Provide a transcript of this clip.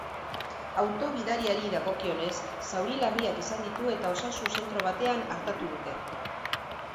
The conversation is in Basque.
Auto-gidariari dagokionez, zauri larriak izan ditu eta osasun zentro batean artatu dute.